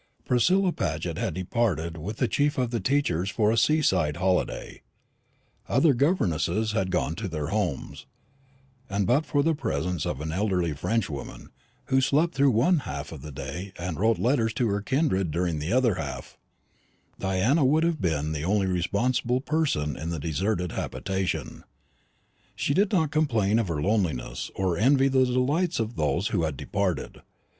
Priscilla Paget had departed with the chief of the teachers for a seaside holiday; other governesses had gone to their homes; and but for the presence of an elderly Frenchwoman, who slept through one half of the day, and wrote letters to her kindred during the other half, Diana would have been the only responsible person in the deserted habitation. She did not complain of her loneliness, or envy the delights of those who had departed.